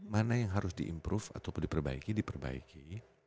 mana yang harus di improve ataupun diperbaiki diperbaiki